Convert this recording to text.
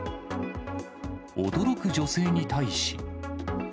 驚く女性に対し。